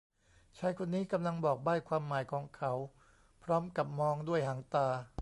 ชายคนนี้กำลังบอกใบ้ความหมายของเขาพร้อมกับมองด้วยหางตา